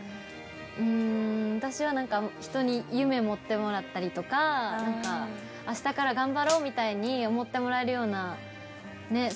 うーん私はなんか人に夢持ってもらったりとかなんか明日から頑張ろうみたいに思ってもらえるようなねっ。